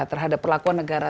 terhadap perlakuan negara